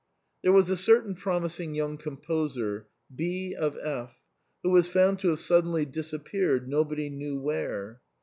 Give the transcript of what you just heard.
There was a certain promising young composer, B of F , who was found to have suddenly dis appeared, nobody knew where.